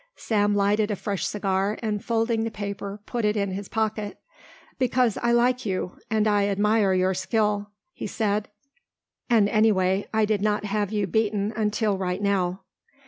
Sam lighted a fresh cigar and folding the paper put it in his pocket. "Because I like you and I admire your skill," he said, "and anyway I did not have you beaten until right now."